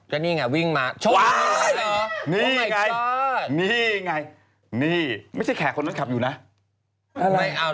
ก็นี่ไงวิ่งมาชดลงมา